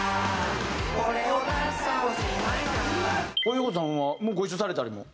ヨコタさんはもうご一緒されたりも？